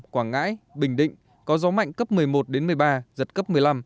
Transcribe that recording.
quảng ngãi bình định có gió mạnh cấp một mươi một đến một mươi ba giật cấp một mươi năm